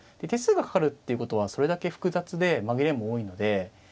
手数がかかるってことはそれだけ複雑で紛れも多いので。